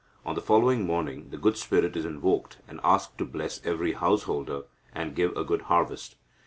On the following morning the good spirit is invoked, and asked to bless every householder, and give a good harvest.